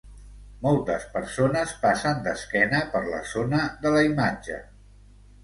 Moltes persones passen d'esquena per la zona de la imatge.